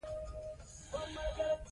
د ناروغیو په اړه نورو ته مشوره ورکوي.